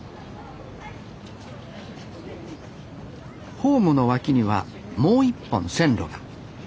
ホームの脇にはもう一本線路が。